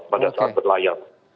pada saat berlayar